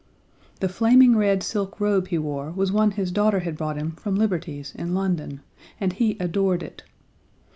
The flaming red silk robe he wore was one his daughter had brought him from Liberty's, in London, and he adored it.